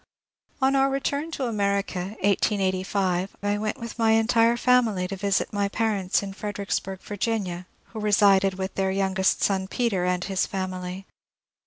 On our return to America (1885) I went with my entire family to visit my parents in Fredericksburg, Virginia, who resided with their youngest son, Peter, and his family.